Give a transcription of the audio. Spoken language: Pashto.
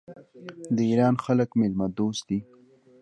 د ایران خلک میلمه دوست دي.